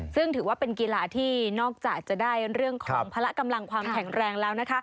ซึ่งถือว่าเป็นกีฬาที่นอกจากจะได้เรื่องของพละกำลังความแข็งแรงแล้ว